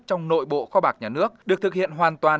trong nội bộ kho bạc nhà nước được thực hiện hoàn toàn